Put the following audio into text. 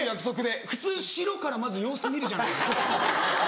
普通白からまず様子見るじゃないですか。